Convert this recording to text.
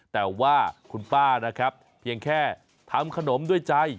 แต่ว่าคุณป้านะครับเพียงแค่ทำขนมด้วยใจ